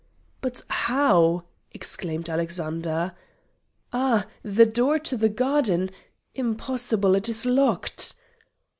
"But how?" exclaimed Alexander. "Ah! the door to the garden! Impossible it is locked!"